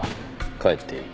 帰っていい。